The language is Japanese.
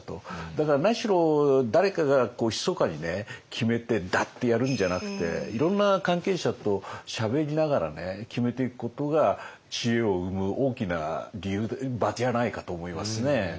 だから何しろ誰かがひそかに決めてダッてやるんじゃなくていろんな関係者としゃべりながら決めていくことが知恵を生む大きな理由場じゃないかと思いますね。